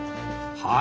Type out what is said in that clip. はい。